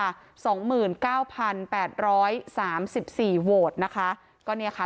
๓๔โหวตนะคะ